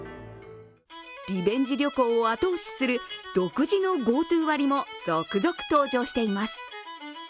リベンジ旅行を後押しする独自のＧｏＴｏ割も続々登場しています。